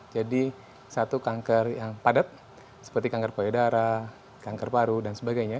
jadi satu kanker yang padat seperti kanker polio darah kanker paru dan sebagainya